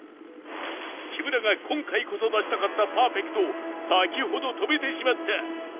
木村が今回こそ出したかったパーフェクトを先ほど止めてしまった自称